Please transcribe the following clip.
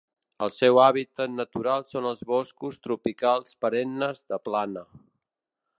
El seu hàbitat natural són els boscos tropicals perennes de plana.